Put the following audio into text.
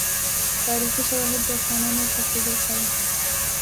تاریخي شواهد د خانانو خرڅېدل ښيي.